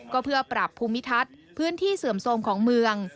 ก็เพื่อปรับภูมิทัศน์พื้นที่เสื่อมโทรมของเมือง